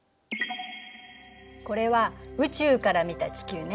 これは宇宙から見た地球ね。